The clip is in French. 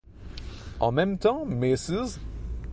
En même temps, Mrs.